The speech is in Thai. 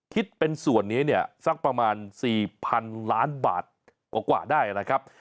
คิดเป็นส่วนนี้เนี่ยสักประมาณ๔๐๐๐ล้านบาทกว่าได้นะครับ